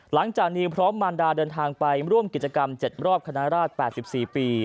หลังจากนิวพร้อมมารดาเดินทางไปร่วมกิจกรรม๗รอบคณะราช๘๔ปี